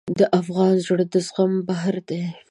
د افغان زړه د زغم بحر دی.